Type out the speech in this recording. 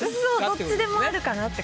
どっちでもあるかなって。